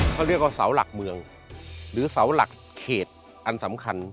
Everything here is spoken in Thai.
เขาเรียกว่าเสาหลักเมืองหรือเสาหลักเขตอันสำคัญ